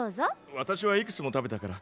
わたしはいくつも食べたから。